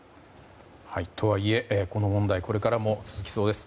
とはいえ、この問題これからも続きそうです。